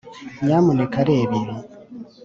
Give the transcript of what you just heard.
nyamuneka reba ibi;